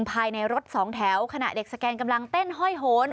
ภายในรถสองแถวขณะเด็กสแกนกำลังเต้นห้อยโหน